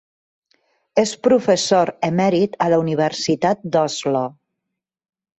És professor emèrit a la Universitat d'Oslo.